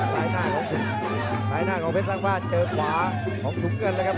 ซ้ายหน้าของซ้ายหน้าของเพชรสร้างบ้านเจอขวาของถุงเงินเลยครับ